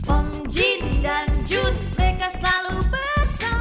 om jin dan jun mereka selalu bersama